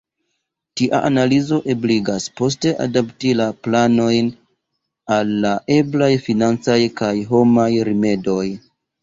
Tia analizo ebligas poste adapti la planojn al la eblaj financaj kaj homaj rimedoj.